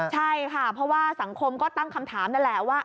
ใช่ค่ะเพราะว่าสังคมก็ตั้งคำถามนั่นแหละว่า